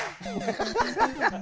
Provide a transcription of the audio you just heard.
ハハハハ！